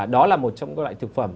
đó là một trong các loại thực phẩm